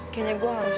kayaknya gue harus